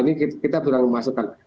ini kita berlangsung masukkan